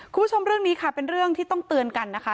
คุณผู้ชมเรื่องนี้ค่ะเป็นเรื่องที่ต้องเตือนกันนะคะ